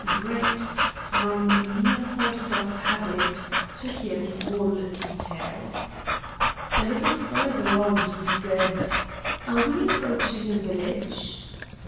Brett, from mere force of habit, took in all details. A little farther on he said: "Are we approaching a village?"